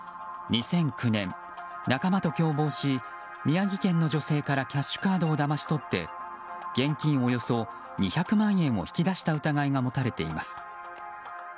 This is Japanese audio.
２００９年、仲間と共謀し宮城県の女性からキャッシュカードをだまし取って現金およそ２００万円を引き出した疑いが持たれています。